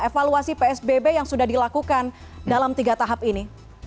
evaluasi psbb yang sudah dilakukan dalam tiga tahap ini